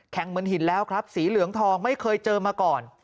เหมือนหินแล้วครับสีเหลืองทองไม่เคยเจอมาก่อน